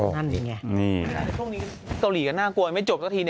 ช่วงนี้เกาหลีกันน่ากลัวไม่จบสักที